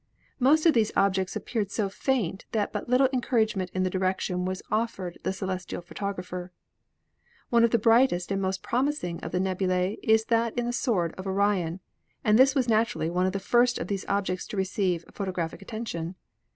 Most of these objects appeared so faint that but little encouragement in that direction was offered the celestial photographer. "One of the brightest and most promising of nebula? is that in the sword of Orion, and this was naturally one of the first of these objects to receive photographic attention.